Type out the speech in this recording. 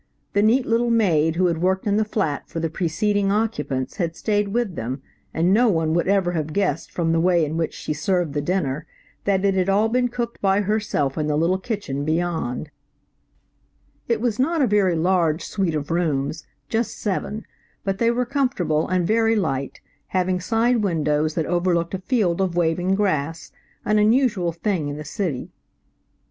The neat little maid who had worked in the flat for the preceding occupants had stayed with them, and no one would ever have guessed from the way in which she served the dinner that it had all been cooked by herself in the little kitchen beyond. "WHAT'S THE MATTER, DEAR? YOU LOOK SO TIRED." It was not a very large suite of rooms–just seven, but they were comfortable and very light, having side windows that overlooked a field of waving grass, an unusual thing in the city.